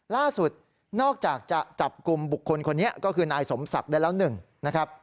ล่าสุดนอกจากจะจับกลุ่มบุคคลคนนี้ก็คือนายสมศักดิ์ได้แล้วหนึ่งนะครับ